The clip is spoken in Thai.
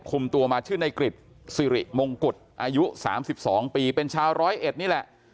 คุมตัวมาชื่อในกริจสิริมงกุฎอายุ๓๒ปีเป็นชาวร้อยเอ็ดนี่แหละ